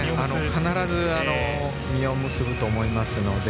必ず実を結ぶと思いますので